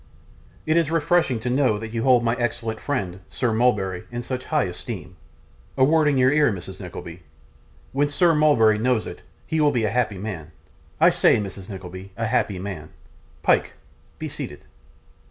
'It is refreshing to know that you hold my excellent friend, Sir Mulberry, in such high esteem. A word in your ear, Mrs. Nickleby. When Sir Mulberry knows it, he will be a happy man I say, Mrs. Nickleby, a happy man. Pyke, be seated.